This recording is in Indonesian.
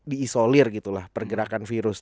di isolir gitu lah pergerakan virus